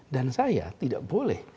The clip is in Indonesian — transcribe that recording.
dan saya tidak boleh